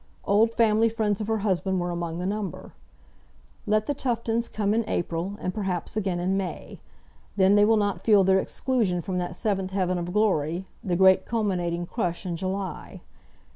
Old family friends of her husband were among the number. Let the Tuftons come in April, and perhaps again in May; then they will not feel their exclusion from that seventh heaven of glory, the great culminating crush in July.